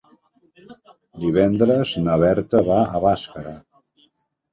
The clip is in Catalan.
Divendres na Berta va a Bàscara.